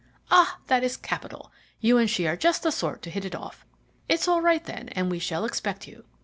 "Ah! that is capital; you and she are just the sort to hit it off. It's all right, then, and we shall expect you.